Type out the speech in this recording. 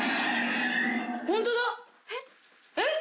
ホントだえっ？